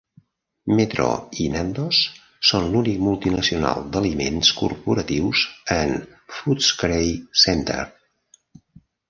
Metro i Nandos són l'únic multi-nacional d'aliments corporatius en Footscray centre.